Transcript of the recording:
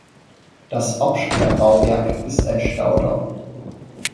Das Absperrbauwerk ist ein Staudamm.